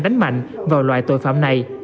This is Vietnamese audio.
đánh mạnh vào loại tội phạm này